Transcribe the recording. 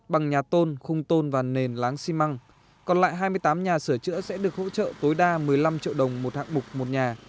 bằng nhà tôn khung tôn và nền láng xi măng còn lại hai mươi tám nhà sửa chữa sẽ được hỗ trợ tối đa một mươi năm triệu đồng một hạng mục một nhà